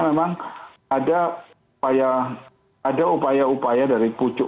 memang ada upaya upaya dari pucuk